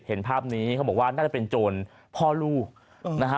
เห็นภาพนี้เขาบอกว่าน่าจะเป็นโจรพ่อลูกนะฮะ